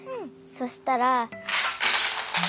そしたら。